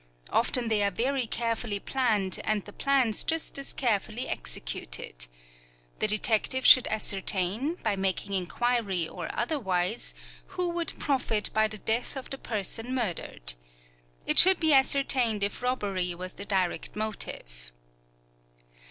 Often they are very carefully planned and the plans just as carefully executed. The detective should ascertain, by making inquiry or otherwise, who would profit by the death of the person murdered. It should be ascertained if robbery was the direct motive.